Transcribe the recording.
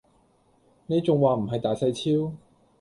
你仲話唔係大細超